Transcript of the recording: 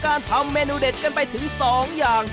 ทำเมนูเด็ดกันไปถึง๒อย่าง